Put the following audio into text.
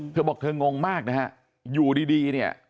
เธอบอกเธองงมากนะฮะอยู่ดีเนี่ย